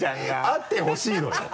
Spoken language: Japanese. あってほしいのよ。